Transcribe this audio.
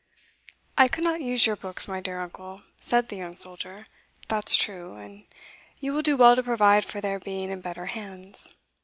"I could not use your books, my dear uncle," said the young soldier, "that's true; and you will do well to provide for their being in better hands.